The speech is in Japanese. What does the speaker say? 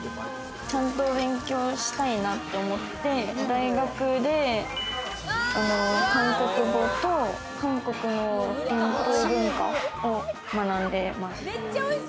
ちゃんと勉強したいなって思って大学で韓国語と韓国の伝統文化を学んでます。